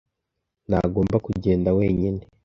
Ntagomba kugenda wenyine.